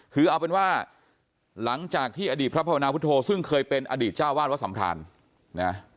คือเอาเป็นว่าหลังจากที่อดีตพระภาวนาพุทธโธซึ่งเคยเป็นอดีตเจ้าวาดวัดสัมพรานนะ